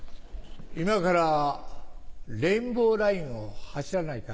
今からレインボーラインを走らないかい？